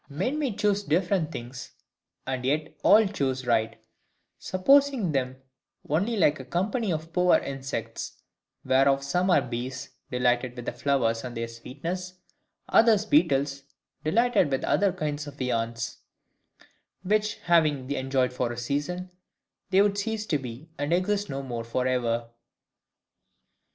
Men may choose different things, and yet all choose right; supposing them only like a company of poor insects; whereof some are bees, delighted with flowers and their sweetness; others beetles, delighted with other kinds of viands, which having enjoyed for a season, they would cease to be, and exist no more for ever.